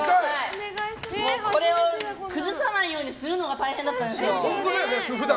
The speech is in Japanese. これを崩さないようにするのが大変だったんですよ。